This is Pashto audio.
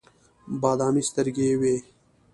بادامي سترګې یې وې.